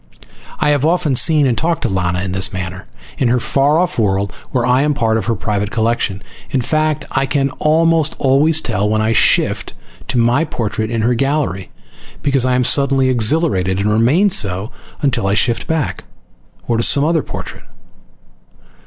I have often seen and talked to Lana in this manner, in her far off world, where I am part of her private collection. In fact, I can almost always tell when I shift to my portrait in her gallery, because I am suddenly exhilarated and remain so until I shift back, or to some other portrait.